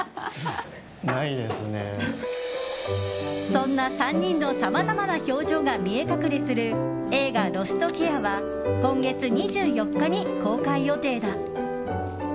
そんな３人のさまざまな表情が見え隠れする映画「ロストケア」は今月２４日に公開予定だ。